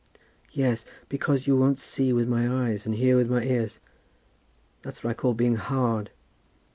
"Yes; because you won't see with my eyes and hear with my ears. That's what I call being hard.